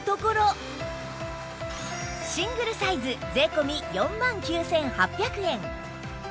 シングルサイズ税込４万９８００円